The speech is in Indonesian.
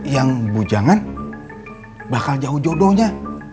yang bujangan bakal jauh jodohnya